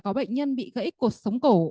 có bệnh nhân bị gãy cột sống cổ